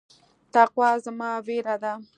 تقوا زما وريره ده.